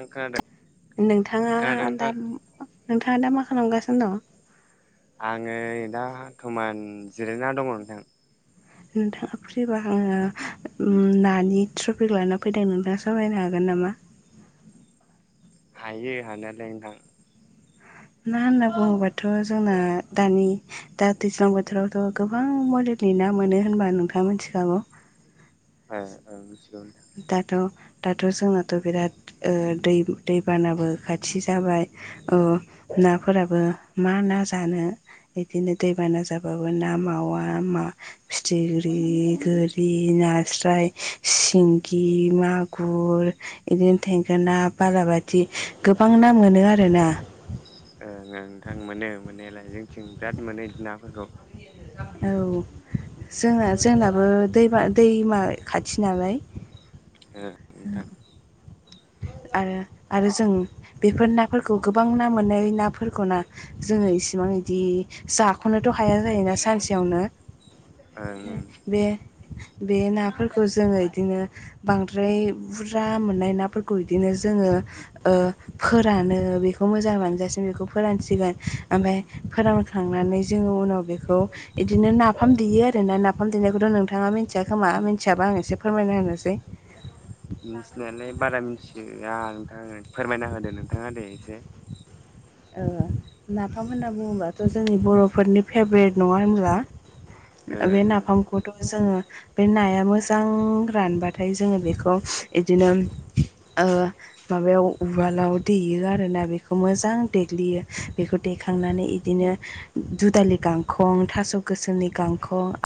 खोनादों नोंथाङा खोनादों दा नोंथां नोंथाङा दा माखा- खालाम गासिनो दं आङो दा खोमोन जिरायना दङ नोंथां नोंथाङा फ्रिबा आङो नानि टफिक लाना फैदों नोंथाङा सावरायनो हागोन नामा? हायो हानायालाय नोंथां ना होनना बुङोबाथ' जोंना दानि दा दैज्लां बोथोरावथ' गोबां मदेल- -नि ना मोनो होनबा नोंथाङा मिथिखागौ ए औ दाथ' दाथ' जोंनाथ' बिराद ओ दै दैबानाबो खाथि जाबाय अ नाफोराबो मा ना जानो बिदिनो दैबाना जाबाबो ना मावा, फिथिख्रि, गोरि नास्राय, सिं- -गि मागुर बिदिनो थेंगोना बालाबाथि गोबां ना मोनो आरो- -ना ओ नोंथां मोनो मोननायालाय जोंथिं बिराद मोनो बिदि नाफोरखौ औ जोंना जोंनाबो दैमा दैमा खाथि नालाय ओ नोंथां आरो आरो जों बेफोर नाफोरखौ गोबां ना मोननाय ना फोरखौ ना जोङो इसिबां इदि जाख'नोथ' हाया जायोना सानसेयावनो ओं ओं बे बे नाफोरखौ जोङो इदिनो बांद्राय बुरजा मोननाय नाफोरखौ बिदिनो जोङो ओ फोरानो बेखौ मोजां रानजासिम बेखौ फोरानसिगोन ओमफफ्राय फोरानखांनानै जोङो उनाव बेखौ बिदिनो नाफाम देयो आर ना नाफाम देनायखौथ' नोंथाङा मिथिया खोमा मिथियाबा आं एसे फोरमायना होनोसै मिथिनायालाय बारा मिथियो आ नोंथां फोरमायना होदो नोंथाङा दे एसे ओ नाफाम होनना बुङोबाथ' जोंनि बर'फोरनि फेभरेट नङा होनब्ला आ बे ओं नफामखौथ' जोङो बे नाया मोजां रानबाथाय जोङो बेखौ बिदिनो ओ माबायाव उवालाव दैेयो आरोना बेखौ मोजां देग्लियो बेखौ ओं देखांनानै बिदिनो दुदालि गांखं थास' गोसोमनि गांखं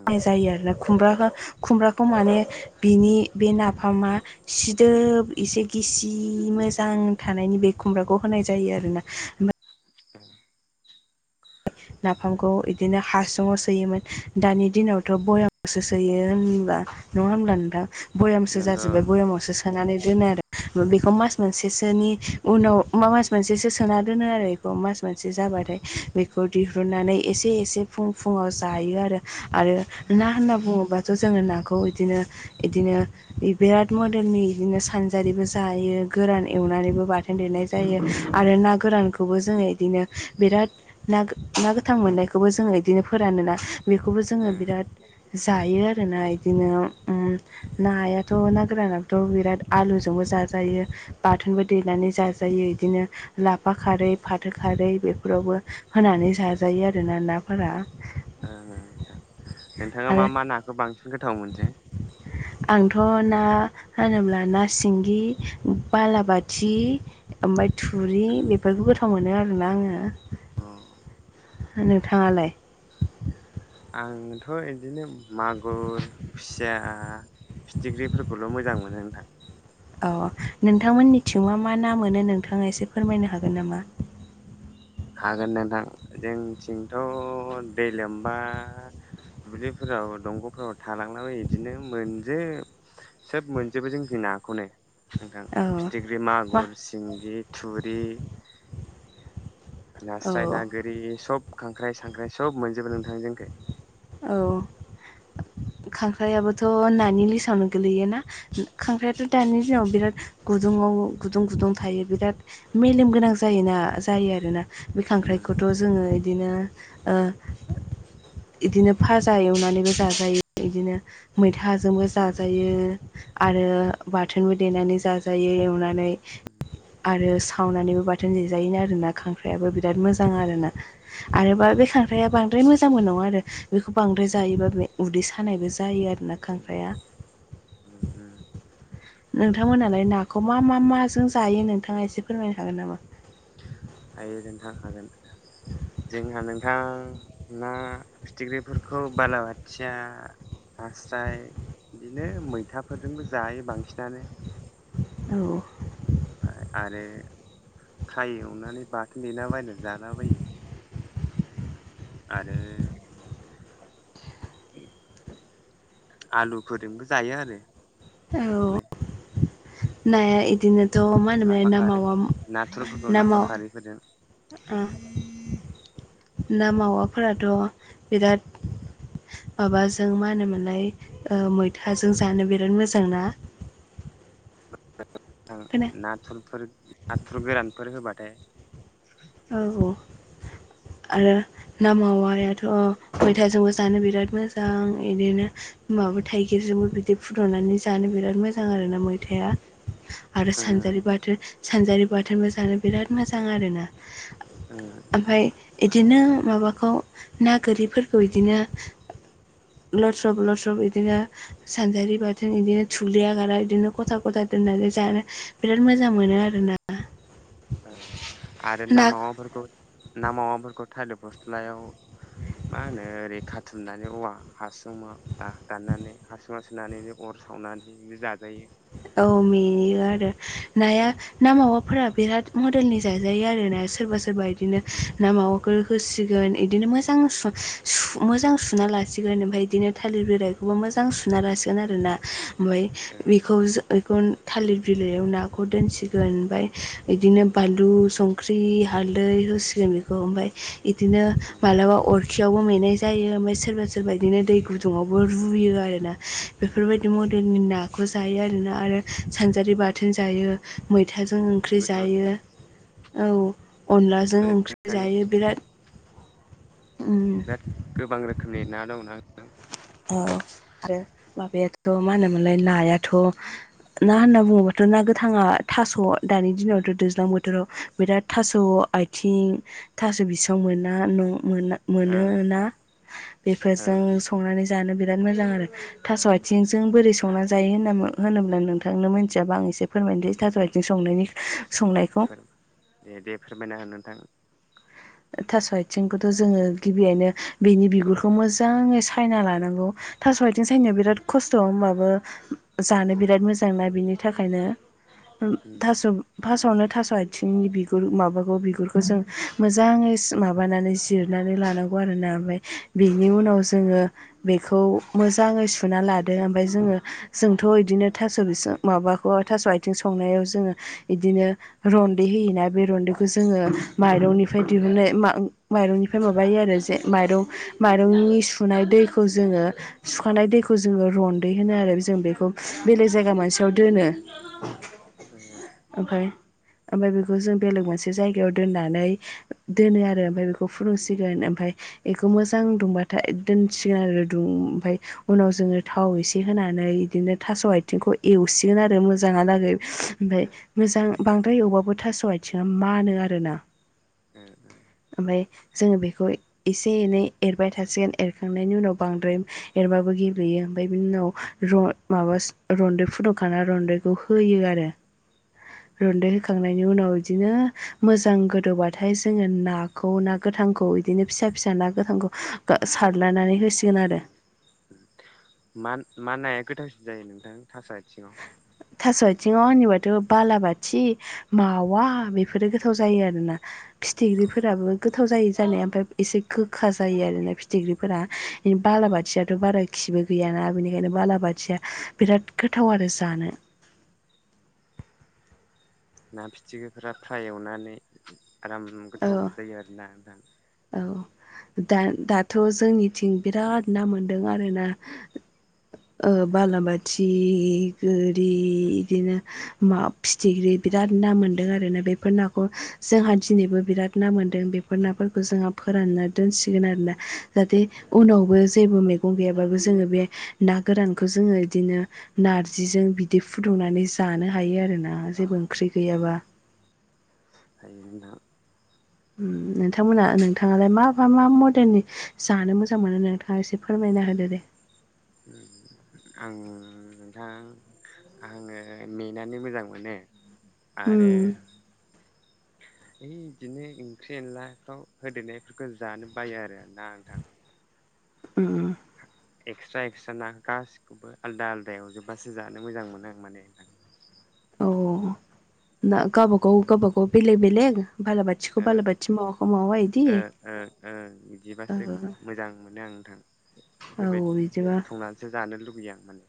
ओ नाय जायो आरो ना खुमब्राखो खुमब्राखौ माने बिनि बे नाफामा सिदोब इसे गिसि मोजां थानायनि बे खुमब्राखौ होनाय जायो आरोना ओमफ्राय [inaudible] नाफामखौ इदिनो हासुङाव सोयोमोन दानि दिनावथ' बयामावसो सोयो ओन नङा होमब्ला नोंथां बयामसो नंगौ जाजोबबाय बयामावसो सो सोनानै दोनो आरो बेखौ मास मोनसेसोनि उनाव मास मोनसेसो सोना दोनो आरो बेखौफ मास मोनसे जाबाथाय बेखौ दिहुननानै एसे एसे फुं फुङाव जायो आरो आरो ना होनना बुङोबाथ' जोङो ना खौ इदिनो इदिनो बिराद मदेलनि इदिनो सानजारिबो जायो गोरान एव नानैबो बाथोन देनाय जायो आरो ना ओं गोरानखौबो जोङो इदिनो बिराद नागो ना गोथां मोननायखबो जोङो इदिनो फोरानोना बेखौबो ओं जोङो बिराद जायो आरोना इदिनो ओम नायाथ' ना गोरानाथ' बिराद आलुजोंबो जाजायो बाथोनबो देनानै जाजायो इदिनो लाफा खारै, फाथो खारै बे फोरावबो होनानै जाजायो आरोना नाफोरा ओंं ओं नोंथां, नोंथाङा मा आरो मा नाखौ बांसिन गोथाव मोनो? आंथ' ना होनोब्ला ना सिंगि बालाबाथि ओमफाय थुरि बेफोरखौ गोथाव मोनो आरोना आङो औ नोंथाङालाय? आंथ' इदिनो मागुर, खुसिया फिथिख्रिफोरखौल' मोजां मोनो नोंथां औ नोंथांमोननिथिं मा मा ना मोनो नोंथाङा एसे फोरमायनो हागोन नामा? हागोन नोंथां, जोंनिथिंथ' दै लोमबा दुब्लिफोराव दंग'फोराव थालांलाबायो इदिनो मोनजोब सोब मोनजोबो जोंनिथिं नाखौनो नोंथां औ फिथिख्रि, मा मागुर, सिंगि, थुरि नास्राय, ना औ गोरि, सब खांख्राइ-सांख्राइ सब मोनजोबो नोंथां जोंखै औ स खांख्राइयाबोथ' नानि लिसावनो गोलैयोना खांख्रायाथ' दानि दिनाव बिराद गुदुङाव गुदुं गुदुं थायो बिराद मेलेम गोनां जायोना जायो आरो ना? बि उम खांख्राइखौथ' जोङो इदिनो ओ इदिनो भाजा एवनानैबो जाजायो इदिनो मैथाजोंबो उम जाजायो आरो आरो बाथोनबो देनानै जाजायो एवनानै आरो सावनानैबो बाथोन देजायोनो आरोना खांख्रायाबो बिराद उम मोजां आरोना उम आरोबा बे खांख्राया बांद्राय मोजांबो नङा आरो बिखौ बांद्राय जायोबा बे उदै सानायबो जायो आरोना खांख्राया ओ नोंथांमोनालाय नाखौ मा मा माजों जायो नोंथाङा एसे फोरमायनो हागोन नामा? हायो नोंथां हागोन जोंहा नोंथां ना फिथिख्रिफोरखौ बालाबाथिया नास्राय बिदिनो मैथाफोरजोंबो जायो बांसिनानो औ आरो थाय एवनानै बाथोन देलाबायन जालाबायो आरो आलुफोरजोंबो जायो आरो औ नाखोलाय नाया इदिनोथ' मा होनोमोनलाय लाफा ना खारै मावा नाथुरफोरखौ ना लाफा माव खारैफोरजों ओ ना मावाफोराथ' बिराद माबाजों मा होनोमोनलाय ओ मैथाजों जानो बिराद मोजां ना [inaudible] खोना नाथुरफोर नाथुर गोरानफोर होबाथाय औ औ [inaudible] आरो ना मावायाथ' मैथाजोंबो जानो बिराद मोजां बिदिनो ओम माबा थाइगिरजोंबो बिदै फुदुंनानै जानो बिराद मोजां आरोना मैथाया आरो उम सानजारि बाथोन सानजारि बाथोनबो जानो बिराद मोजां आरोना उम ओमफ्राय बिदिनो माबा खौ ना गोरिफोरखौ बिदिनो लदस्रब लदस्रब बिदिनो सानजारि बाथोन इदिनो थुग्लिया गारा बिदिनो ग'था ग'था दोनो होननानै जानो बिराद मोजां मोनो आरोना आरो ना मावाफोरखौ ना मावाफोरखौ थालिर फस्लायाव मा होनो ओरै खाथुमनानै औवा हासुं दाननानै हासुङाव सोनानै अर सावनानै बे जाजायो औ मेयो आरो नाया ना मावाफोरा बिराद मडेलनि जाजायो आरोना सोरबा सोरबा बिदिनो उम ना मावाखौ होसिगोन बिदिनो मोजां सु सु मोजां सुना लासिगोन ओमफ्राय बिदिनो थालिर बिाइखौबो म मोजां सुना लासिगोन आरोना ओमफ्राय उम बेखौ बेखौ थालिर बिलाइयाव नाखौ दोनसिगोन ओमफ्राय बिदिनो बानलु संख्रि हालदै होसिगोन बेखौ ओमफ्राय बिदिनो उम मालाबा अरखि खियावबो मेंनाय जायो ओमफ्राय सोरबा सोरबा बिदिनो दै गुदुङावबो रुयो आरोना बेफोरबायदि मडेल नि नाखौ जायो आरोना आरो सानजारि बाथोन जायो मै थाजों ओंख्रि गोथाव जायो औ अनलाजों ओंख्रि जायो बिराद बिराद गोबां रोखोमनि ना दंना औ आरो माबायाथ' मा होनोमोनलाय नायाथ' ना होनना बुङोबाथ' ना गोथाङा थास' दानि दिनावथ' दैज्लां बोथोराव बिराद थास' आथिं थास' बिसं मोना न' मोना ओं मोनोना ओं बेफोरजों संनानै जानो बिराद मोजां आरोना थास' आथिंजों बोरै संना‌ जायो होनोब्ला नोंथां मोनथियाबा आं एसे फोरमायनोसै थास' आइथिं संनायनि संनायखौ दे दे फोरमायना हो नोंथां थास' आथिंखौथ' जोङो गिबियैनो बेनि बिगुरखौ मोजाङै सायना लानांगौ थास' आाइथिं सायनायाव बिराद खसथ' होमबाबो जानो बिराद मोजांना बिनि थाखायनो ओ उम थास' फासयावनो थास' आथिंनि बिगुर माबाखौ बिगुरखौ जों मोजां मोजाङै माबानानै जिरनानै लानांगौ आरोना ओमफ्राय बिनि उनाव जोङो बेखौ खौ मोजाङै सुना लादो ओमफ्राय जोङो जोंथ' बिदिनो थास' बिसं माबाखौ थास' आइथिं थिं संनायाव जोङो बिदिनो रनदै होयोना बे रनदैखौ जोङो माइरंनि फ्राय दिहुननाय माइरंनिफ्राय माबायो आरो जे माइरं माइरंनि सुनाय दैखौ जों ओ सुखानाय दैखौ जोङो रनदै होनो आरो जों बे खौ उम बेलेग जायगा मोनसेयाव दोनो उम उम ओमफाय ओमफ्राय बेखौ जों बेलेग मोनसे जायगायाव दोननानै दोनो आरो ओमफ्राय बेखौ फुदुंसिगोन ओमफ्राय बेखौ मोजां दुंबाथाय दोनसिगोन आरो दुं ओमफाय उनाव जोङो थाव इसे होनानै बिदिनो थास' आथिंखौ एवसिगोन आरो मोजाङा गै [unintelligible] ओमफाय मोजां बांद्राय एवबाबो थास' आथिङा मानो आरोना उम ओमफाय जोङो बेखौ एसे एनै एरबाय थासिगोन एरखांनायनि उनाव बांद्राय एरबा गेब्लेयो ओमफाय बिनि उनाव रन माबा रनदै फुदुंखाना रनदैखौ होयो आरो [inaudible] रुन्दै होखांनायनि उनाव बिदिनो मोजां गोदौबथाय नाथाय जोङो नाखौ ना गोथांखौ इदिनो फिसा फिसा ना गोथांखौ सारलायनानै होसिगोन आरो मा मा नाया गोथावसिन जायो नोंथां थास आथिङाव थास' आथिङाव होननिबाथ' बालाबाथि मावा बेफोरो गोथाव जायो आरोना औ फिथिख्रिफोराबो गोथाव जायो जानाया ओमफाय एसे गोखा जायो आरोना फिथिख्रिफोरा औ बालाबाथियाथ' बारा खिबो गैयाना बेनिखायनो बालाबाथिया बिराद गोथाव गोथाव आरो जानो ना फिथिख्रि फ्राय एवनानै आराम औ गोथाव जायो आरोना नोंथां औ दा दाथ' जोंनिथिं बिराद ना मोनदों आरो ना बालाबाथि गोरि बिदिनो मा फिथिख्रि बिराद ना मोनदों आरोना बेफोर नाखौ जोंहा दिनैबो बिराद ना मोन्दों बेफोर नाफोरखौ जोंहा फोरानना दोनसिगोन आरोना जाहाथे उम उनावबो जेबो मैगं गैयाबाबो जोङो बे ना गोरानखौ जोङो बिदिनो नारजिजों बिदै फुदुंनानै उम जानो हायो आरो ना जेबो ओंख्रि गैयाबा हायो नोंथां नोंथांमोना नोंथाङालाय मा मा मा मडेलनि जानो मोजां मोनो नोंथाङा एसे फोरमाय होदो दे अम [inaudible] आं नोंथां आङो मेनानै मोजां मोनो उम आरो है बिदिनो ओंख्रि एनलाफ्राव होदेरनायफोरखौ जानो बायो आरो ना नोंथां उम ह एक्सट्रा एक्सट्रा ना गासिखौबो आलादा आलादा एवजोबबासो जानो मोजां मोनो आं माने नोंथां अ ना गावबा गाव गावबा गाव बेलेग बेलेग बालाबाथिखौ ओ बालाबाथि मावाखौ मावा इदि ओ ओ ओ ओ बिदिबासो मोजां मोनो आं नोंथां औ बेफोरबायदि बिदिबा संनानैसो जानो लुुबैयो आं माने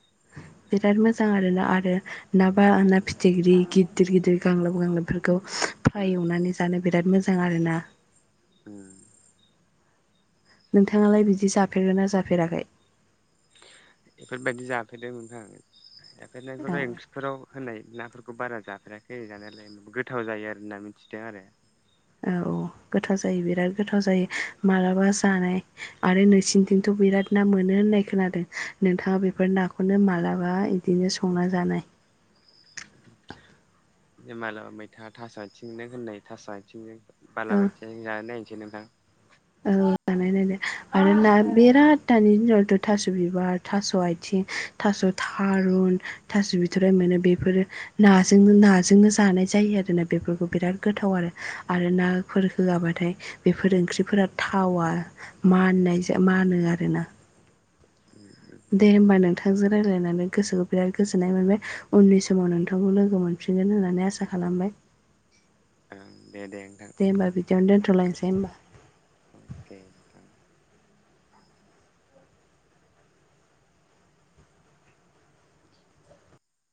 बिराद मोजां आरोना आरो ना बा ना फिथिगिरि गिदिर गिदिर गांलब गांलाब बे फ्राय उम एवनानै जानो बिराद मोजां आरोना उम नोंथाङालाय बिदि जाफेरगोन ना जाफेराखै बेफोरबायदि जाफेरदोंमोन आं औ जाफेरनायखौथ' इंलिसफोराव होनाय नाफोरखौ बारा जाफेराखै जानायालाय गोथाव जायो आरो होनना मिथिदों आरो औ गोथाव जायो बिराद गोथाव जायो मालाबा जानाय आरो नोंसिनिथिंथ' बिराद ना मोनो होननाय खोनादों नोंथाङा बेफोर नाखौनो मालाबा बिदिनो संना जानाय [inaudible] मालाबा मैथा थास' आथिंनो होननाय थास आथिंजों औ बालाबाथियाजों जानो नायसै नोंथां औ जानाय नायदो आरो ना बिराद दानि दिनावथ' थास' बिबार थास' आथिं थास थारुन थास बिथराइ मोनो बेफोर नाजों नो नाजोंनो जायो आरोना बेफोरखौ बिराद गोथाव आरो आरो नाफोर होआबाथाय बेफोर ओंख्रिफोरा थावा माननाय मानो आरोना दे होमबा नोंथांजों रायज्लायनानै गोसोखौ बिराद गोजोननाय मोनबाय उननि समाव नोंथांखौ लोगो मोनफि हुफिनगोन होननानै आसा खालामबाय [inaudible] दे दे नोंथां बियावनो दोन्थ'लायनोसै होमबा अके नोंथां